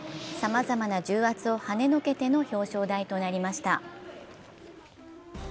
さまざまな重圧をはねのけての表彰台となりました。